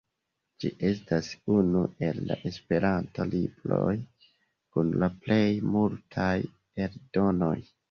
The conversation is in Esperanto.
Ĝi estas unu el la Esperanto-libroj kun la plej multaj eldonoj.